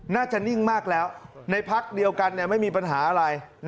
นิ่งมากแล้วในพักเดียวกันไม่มีปัญหาอะไร